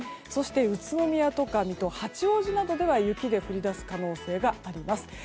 そして宇都宮や水戸八王子などでは雪が降り出す可能性があります。